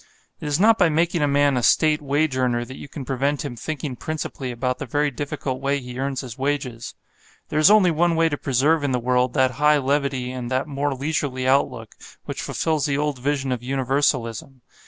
It is not by making a man a State wage earner that you can prevent him thinking principally about the very difficult way he earns his wages. There is only one way to preserve in the world that high levity and that more leisurely outlook which fulfils the old vision of universalism.